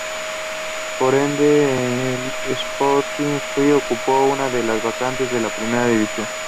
Por ende, el Sporting Fry ocupó una de las vacantes de la primera división.